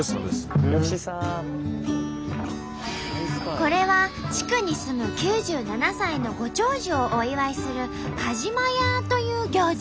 これは地区に住む９７歳のご長寿をお祝いする「カジマヤー」という行事。